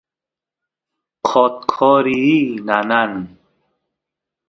qotqoriy nanan